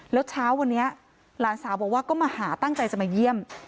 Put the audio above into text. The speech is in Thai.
แล้วเช้าวันนี้หลานสาวบอกว่าก็มาหาตั้งใจจะมาเยี่ยม